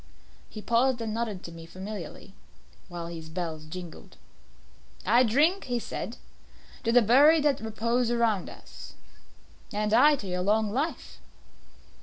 He paused and nodded to me familiarly, while his bells jingled. "I drink," he said, "to the buried that repose around us." "And I to your long life."